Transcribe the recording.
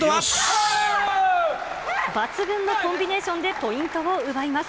抜群のコンビネーションでポイントを奪います。